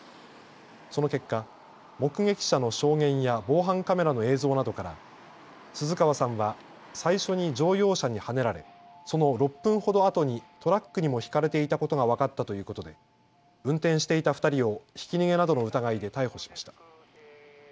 その結果、目撃者の証言や防犯カメラの映像などから鈴川さんは最初に乗用車にはねられその６分ほどあとにトラックにもひかれていたことが分かったということで運転していた２人をひき逃げなどの疑いで逮捕しました。